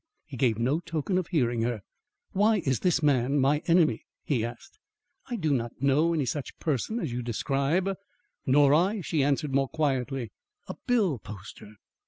He gave no token of hearing her. "Why is this man my enemy?" he asked. "I do not know any such person as you describe." "Nor I," she answered more quietly. "A bill poster!